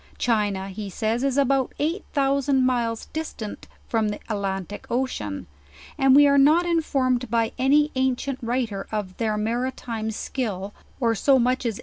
China, he says, is about eight thousand miles distant from the Atlantic ocean. And we are not informed by any ancient writer of their maritime skill, or so much ,a,s.